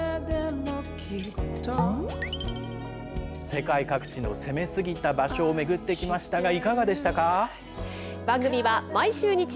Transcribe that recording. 世界各地の攻めすぎた場所を巡ってきましたがいかがでしたか？